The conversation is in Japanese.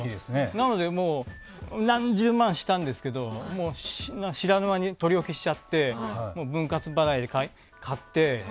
なので、何十万したんですけど知らぬ間に取り置きしちゃって分割払いで買って。